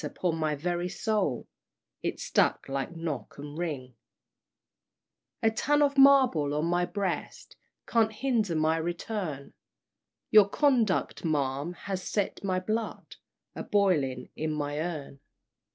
upon my very soul It struck like 'Knock and Ring,'" "A ton of marble on my breast Can't hinder my return; Your conduct, ma'am, has set my blood A boiling in my urn!"